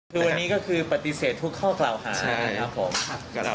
คือวันนี้ก็คือปฏิเสธทุกข้อกล่าวหานะครับผม